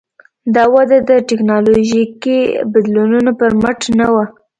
دا وده د ټکنالوژیکي بدلونونو پر مټ نه وه.